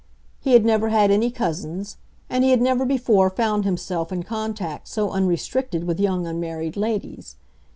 He had never had any cousins, and he had never before found himself in contact so unrestricted with young unmarried ladies.